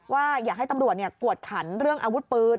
ว่าอยากให้ตำรวจกวดขันเรื่องอาวุธปืน